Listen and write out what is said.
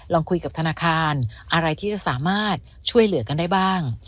ลองคุยกับธนาคารอะไรที่จะสามารถช่วยเหลือกันได้บ้าง